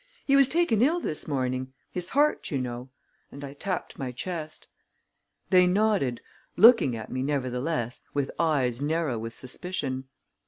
"He was taken ill this morning; his heart, you know," and I tapped my chest. They nodded, looking at me, nevertheless, with eyes narrow with suspicion.